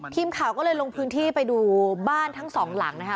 ทีมข่าวก็เลยลงพื้นที่ไปดูบ้านทั้งสองหลังนะคะ